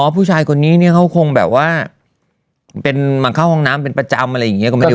ผู้ชายคนนี้เนี่ยเขาคงแบบว่ามาเข้าห้องน้ำเป็นประจำอะไรอย่างนี้ก็ไม่ได้